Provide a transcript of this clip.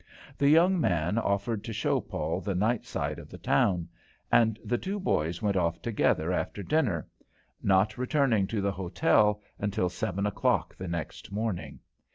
The young man offered to show Paul the night side of the town, and the two boys went off together after dinner, not returning to the hotel until seven o'clock the next morning.